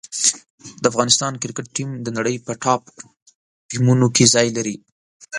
د افغانستان کرکټ ټیم د نړۍ په ټاپ ټیمونو کې ځای لري.